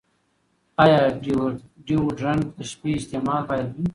ایا ډیوډرنټ د شپې استعمال باید وي؟